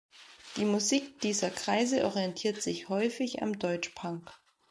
Die Musik dieser Kreise orientiert sich häufig am Deutschpunk.